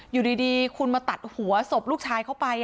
อยู่ดีคุณมาตัดหัวศพลูกชายเข้าไป